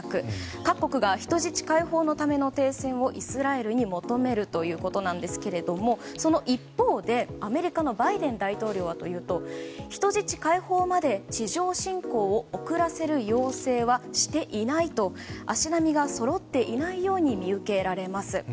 各国が人質解放のための停戦をイスラエルに求めるということですがその一方で、アメリカのバイデン大統領はというと人質解放まで地上侵攻を遅らせる要請はしていないと足並みがそろっていないように見受けられます。